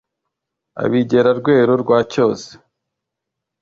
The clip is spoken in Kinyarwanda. abigera rweru rwa cyozi,